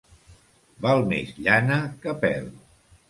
Val més llana que pèl.